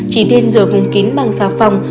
chỉ nên rửa vùng kín bằng xà phòng